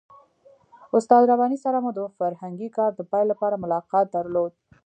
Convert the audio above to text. استاد رباني سره مو د فرهنګي کار د پیل لپاره ملاقات درلود.